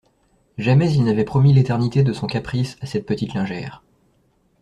Jamais il n'avait promis l'éternité de son caprice à cette petite lingère.